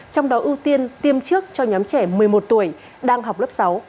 trong đó ưu tiên tiêm trước cho nhóm trẻ một mươi một tuổi đang học lớp sáu